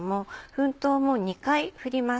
粉糖も２回振ります。